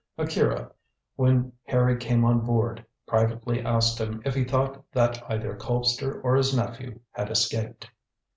Akira, when Harry came on board, privately asked him if he thought that either Colpster or his nephew had escaped.